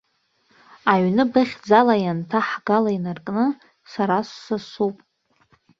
Аҩны быхьӡала ианҭаҳгала инаркны, сара ссасуп.